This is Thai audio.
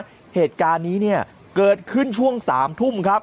เหตุการณ์นี้เนี่ยเกิดขึ้นช่วง๓ทุ่มครับ